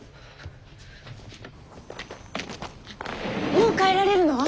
もう帰られるの？